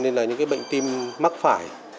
nên là những bệnh tim mắc phải